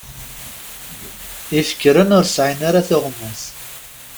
Ifekren ur sɛin ara tuɣmas.